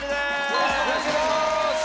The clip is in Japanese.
よろしくお願いします